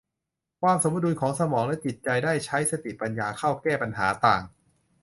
ความสมดุลของสมองและจิตใจได้ใช้สติปัญญาเข้าแก้ปัญหาต่าง